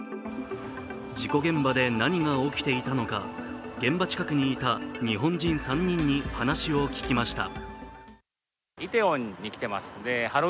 事故現場で何が起きていたのか、現場近くにいた日本人３人に話を聞きました。